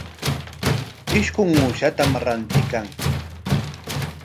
Isqun uushatam rantiykan.